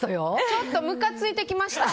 ちょっとムカついてきました。